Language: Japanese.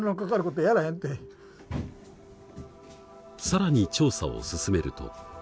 更に調査を進めると。